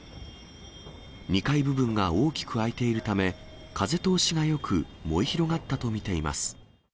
２階部分が大きくあいているため、風通しがよく、燃え広がったと見ています。